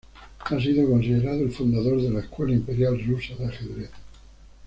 Ha sido considerado el fundador de la escuela imperial rusa de ajedrez.